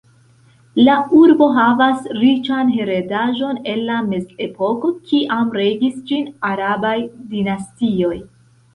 La urbo havas riĉan heredaĵon el la mezepoko, kiam regis ĝin arabaj dinastioj.